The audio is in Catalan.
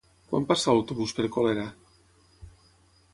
Quan passa l'autobús per Colera?